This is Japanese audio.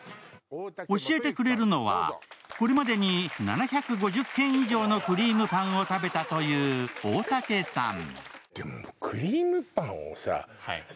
教えてくれるのはこれまでに７５０軒以上のクリームパンを食べたという大竹さん。